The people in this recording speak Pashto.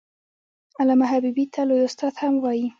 علامه حبيبي ته لوى استاد هم وايي.